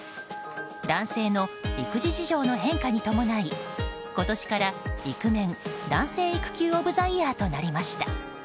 男性の育児事情の変化に伴い今年から、イクメン／男性育休オブザイヤーとなりました。